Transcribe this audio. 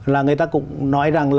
là người ta cũng nói rằng là